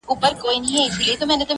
لاس يې د ټولو کايناتو آزاد، مړ دي سم.